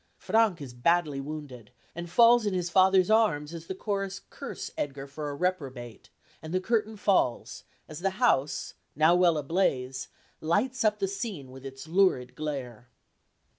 Frank is badly wounded, and falls in his father's arms as the chorus curse Edgar for a reprobate, and the curtain falls as the house, now well ablaze, lights up the scene with its lurid glare.